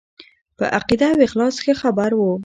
په عقیده او اخلاص ښه خبر وو.